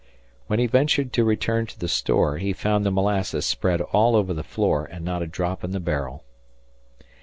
When he ventured to return to the store, he found the molasses spread all over the floor, and not a drop in the barrel.